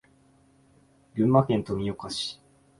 群馬県富岡市